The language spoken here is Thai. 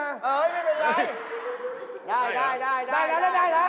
เออไม่เป็นไร